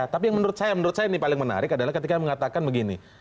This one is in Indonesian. tapi yang menurut saya menurut saya ini paling menarik adalah ketika mengatakan begini